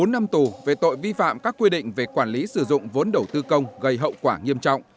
bốn năm tù về tội vi phạm các quy định về quản lý sử dụng vốn đầu tư công gây hậu quả nghiêm trọng